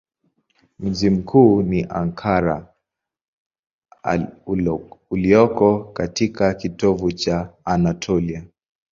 Mji mkuu ni Ankara ulioko katika kitovu cha Anatolia.